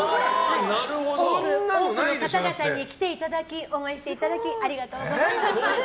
多くの方々に来ていただき応援していただきありがとうございました。